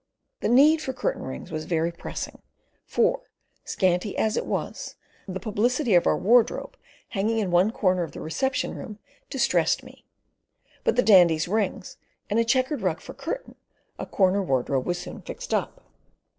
The need for curtain rings was very pressing, for, scanty as it was, the publicity of our wardrobe hanging in one corner of the reception room distressed me, but with the Dandy's rings and a chequered rug for curtain, a corner wardrobe was soon fixed up.